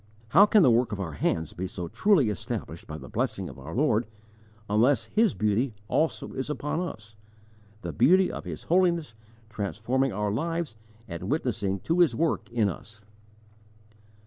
"_ How can the work of our hands be truly established by the blessing of our Lord, unless His beauty also is upon us the beauty of His holiness transforming our lives and witnessing to His work in us?